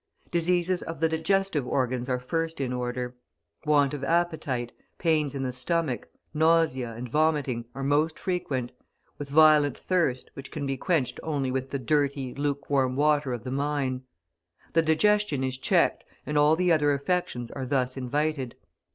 Diseases of the digestive organs are first in order; want of appetite, pains in the stomach, nausea, and vomiting, are most frequent, with violent thirst, which can be quenched only with the dirty, lukewarm water of the mine; the digestion is checked and all the other affections are thus invited.